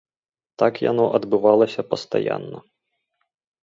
Так яно адбывалася пастаянна.